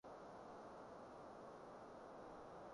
男人心聲節目主持嗎？